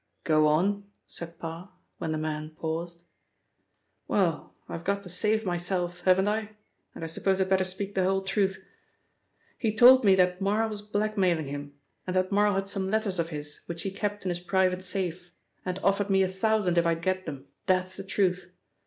"Go on," said Parr, when the man paused. "Well, I've got to save myself, haven't I? And I suppose I'd better speak the whole truth. He told me that Marl was blackmailing him, and that Marl had some letters of his which he kept in his private safe, and offered me a thousand if I'd get them. That's the truth.